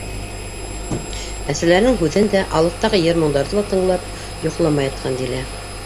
Әсәләренең һүҙен дә, алыҫтағы йыр-моңдарҙы ла тыңлап, йоҡламай ятҡан Дилә: